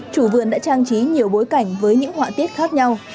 chủ vườn đã trang trí nhiều bối cảnh với những họa tiết khác nhau